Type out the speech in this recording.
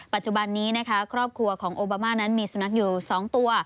ปัจจุบันนี้นะคะครอบครัวของโอบามานั้นมีสุนัขอยู่๒ตัว